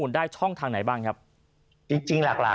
คุณสินทะนันสวัสดีครับ